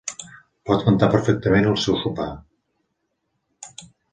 Pot cantar perfectament al seu sopar!